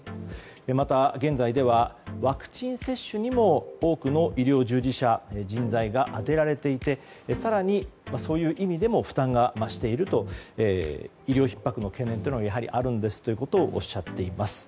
また、現在ではワクチン接種にも多くの医療従事者人材が充てられていて更に、そういう意味でも負担が増していると医療ひっ迫の懸念がやはりあるんですということをおっしゃっています。